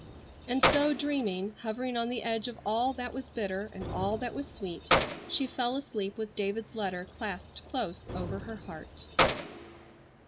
And so, dreaming, hovering on the edge of all that was bitter and all that was sweet, she fell asleep with David's letter clasped close over her heart.